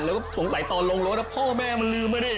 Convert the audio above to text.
แล้วก็สงสัยตอนลงรถพ่อแม่มันลืมมาดิ